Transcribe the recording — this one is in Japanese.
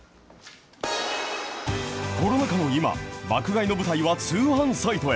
コロナ禍の今、爆買いの舞台は通販サイトへ。